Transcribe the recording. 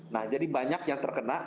nah jadi banyak yang terkena